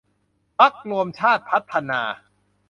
พรรครวมชาติพัฒนา